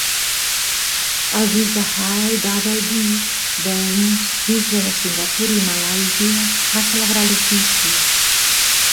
El bisbe H. W. Baines, bisbe de Singapur i Malàisia, va celebrar l'ofici.